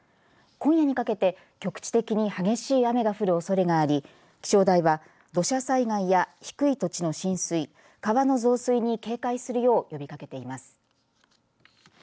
今夜にかけて局地的に激しい雨が降るおそれがあり気象台は土砂災害や低い土地の浸水川の増水に警戒するよう呼びかけています。